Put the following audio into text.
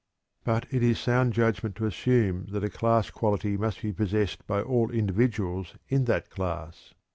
_ But it is sound judgment to assume that a class quality must be possessed by all individuals in that class.